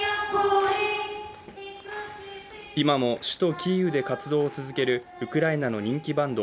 今も首都キーウで活動を続けるウクライナの人気バンド